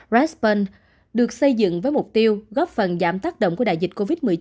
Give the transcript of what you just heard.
respearl được xây dựng với mục tiêu góp phần giảm tác động của đại dịch covid một mươi chín